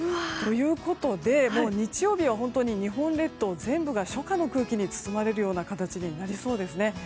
ということで、日曜日は本当に日本列島が初夏の空気に包まれるような形になりそうですね。